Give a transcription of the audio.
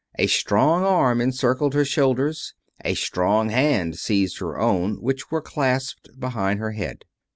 A strong arm encircled her shoulders. A strong hand seized her own, which were clasped behind her head.